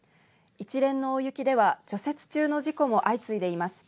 一連の大雪では除雪中の事故も相次いでいます。